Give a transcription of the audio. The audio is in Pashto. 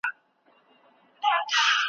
اقتصادي پریکړې د قیمتونو باندې اغیز کوي.